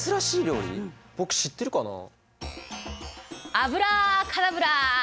アブラカダブラ！